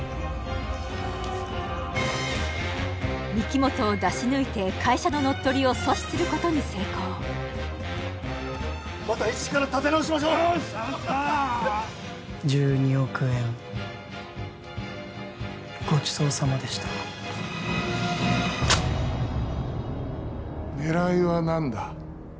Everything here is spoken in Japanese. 御木本を出し抜いて会社の乗っ取りを阻止することに成功また一から立て直しましょうよーし１２億円ごちそうさまでした狙いは何だ？